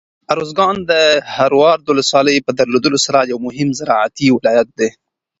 ارزګان د دهراود ولسوالۍ په درلودلو سره یو مهم زراعتي ولایت دی.